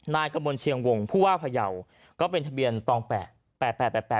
นายกระมวลเชียงวงผู้ว่าพยาวก็เป็นทะเบียนตอง๘๘๘